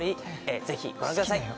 ぜひご覧ください。